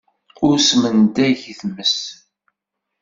Ur smendag i times.